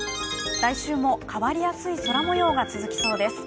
来週も変わりやすい空もようが続きそうです。